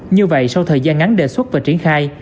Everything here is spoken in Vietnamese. như vậy sau thời gian ngắn đề xuất và triển khai